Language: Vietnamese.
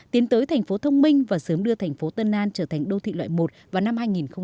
tiến tới thành phố thông minh và sớm đưa thành phố tân an trở thành đô thị loại một vào năm hai nghìn ba mươi